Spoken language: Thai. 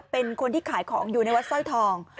เป็นคนที่ขายของอยู่ในวัดสร้อยทอง